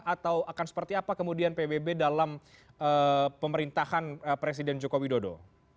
atau akan seperti apa kemudian pbb dalam pemerintahan presiden joko widodo